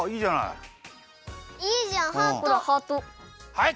はい。